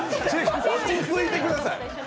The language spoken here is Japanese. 落ち着いてください。